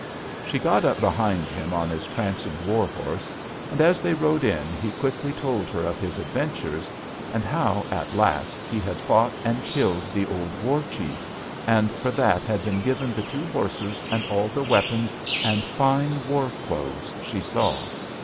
"She got up behind him on his prancing war horse, and as they rode in he quickly told her of his adventures, and how, at last, he had fought and killed the old war chief, and for that had been given the two horses and all the weapons and fine war clothes she saw.